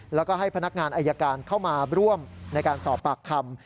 แล้วก็ให้พนักงานอายการเข้ามาร่วมในการสอบปากคำ